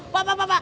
pak pak pak